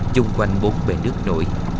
trung quanh bốn bề nước nổi